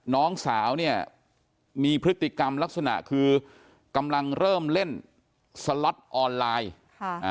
น้องสาวเนี่ยมีพฤติกรรมลักษณะคือกำลังเริ่มเล่นสล็อตออนไลน์ค่ะอ่า